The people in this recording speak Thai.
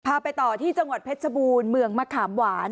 ไปต่อที่จังหวัดเพชรบูรณ์เมืองมะขามหวาน